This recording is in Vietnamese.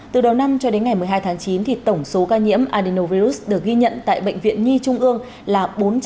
từ đầu năm cho đến ngày một mươi hai tháng chín tổng số ca nhiễm adenovirus được ghi nhận tại bệnh viện nhi trung ương là bốn trăm một mươi hai